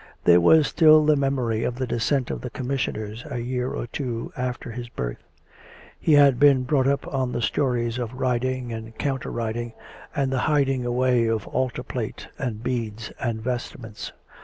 There was still the memory of the descent of the Commissioners a year or two after his birth; he had been brought up on the stories of riding and counter riding, and the hiding away of altar plate and beads and vestments.